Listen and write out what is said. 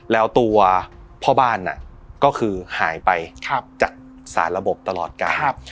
แล้วตัวพ่อบ้านก็คือหายไปจากสารระบบตลอดการ